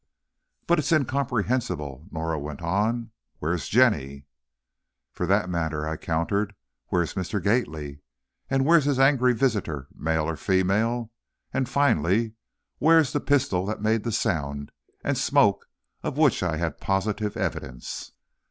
"But it's incomprehensible," Norah went on; "where's Jenny?" "For that matter," I countered, "where's Mr. Gately? Where's his angry visitor, male or female? and, finally, where's the pistol that made the sound and smoke of which I had positive evidence?"